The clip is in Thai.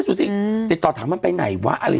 อ๋อใช่